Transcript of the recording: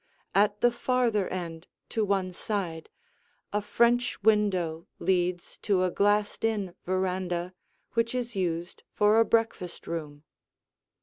At the farther end, to one side, a French window leads to a glassed in veranda which is used for a breakfast room.